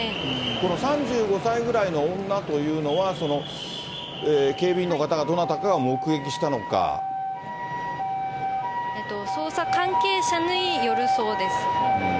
この３５歳ぐらいの女というのは、警備員の方か、捜査関係者によるそうです。